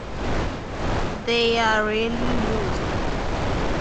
They are rarely used.